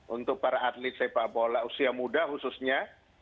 untuk para atlet sepak bola usia muda khususnya